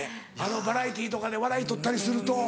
バラエティーとかで笑い取ったりすると。